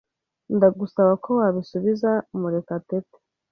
Ndagusaba ko wabisubiza Murekatete.